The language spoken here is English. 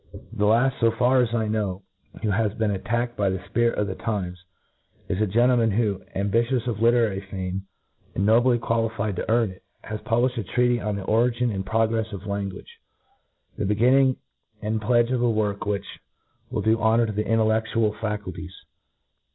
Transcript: The laft, fo far as I know, who has been attacked by the fpirit of the times, is a gentleman who, ambitious of literary fame, and nobly qualified to earn it, has publiflied a treatife on the Ori gin AND Progress of Language, the begin ning and pledge of a work which will do honour to the intelleOiual faculties.